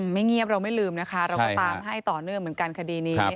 เงียบเราไม่ลืมนะคะเราก็ตามให้ต่อเนื่องเหมือนกันคดีนี้